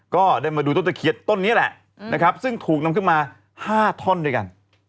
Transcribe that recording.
ก็ได้มาดูต้นตะเคียนต้นนี้แหละนะครับซึ่งถูกนำขึ้นมา๕ท่อนด้วยกัน